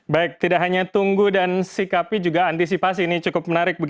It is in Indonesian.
baik tidak hanya tunggu dan sikapi juga antisipasi ini cukup menarik